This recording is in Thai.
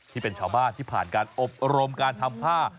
ที่เป็นชาวบ้านที่ผ่านการอบรมการทำผ้า